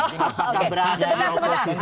pakabrasa yang kursi